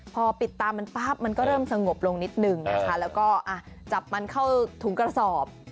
พอปิดตามันปั๊บมันก็เริ่มสงบลงนิดนึงนะคะแล้วก็จับมันเข้าถุงกระสอบ